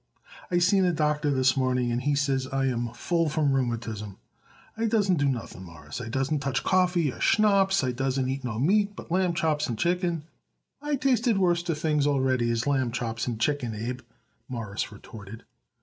"I seen a doctor this morning and he says I am full from rheumatism. I dassen't do nothing, Mawruss, I dassen't touch coffee or schnapps. I dassen't eat no meat but lamb chops and chicken." "I tasted worser things already as lamb chops and chicken, Abe," Morris retorted.